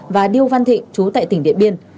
và điêu văn thịnh chú tại tỉnh điện biên